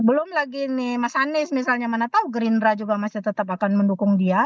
belum lagi nih mas anies misalnya mana tahu gerindra juga masih tetap akan mendukung dia